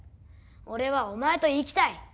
俺はお前と生きたい。